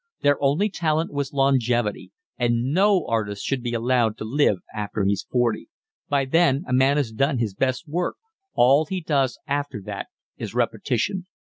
Their only talent was longevity, and no artist should be allowed to live after he's forty; by then a man has done his best work, all he does after that is repetition.